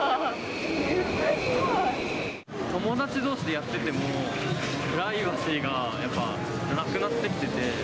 友達どうしでやってても、プライバシーがやっぱなくなってきてて。